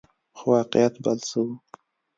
خو واقعیت بل څه وو.